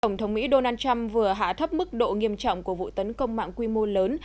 tổng thống mỹ donald trump vừa hạ thấp mức độ nghiêm trọng của vụ tấn công mạng quy mô lớn